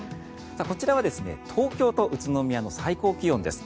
こちらは東京と宇都宮の最高気温です。